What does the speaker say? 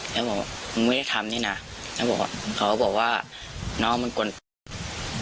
แล้วบอกว่ามึงไม่ได้ทำเนี่ยนะเขาก็บอกว่าน้องมันกลัว